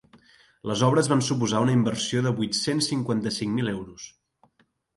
Les obres van suposar una inversió de vuit-cents cinquanta-cinc mil euros.